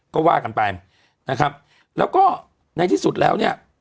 ก็ว่ากันไปนะครับแล้วก็ในที่สุดแล้วเนี่ย